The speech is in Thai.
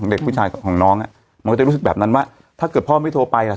เด็กผู้ชายกับของน้องอ่ะมันก็จะรู้สึกแบบนั้นว่าถ้าเกิดพ่อไม่โทรไปอ่ะ